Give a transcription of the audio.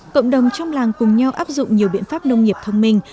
cộng đồng trong làng cùng nhau áp dụng nhiều biện pháp nông nghiệp thông minh